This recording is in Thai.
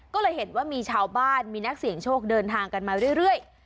ก็เลยเห็นว่ามีชาวบ้านมีนักเสี่ยงโชคเดินทางกันมาเรื่อย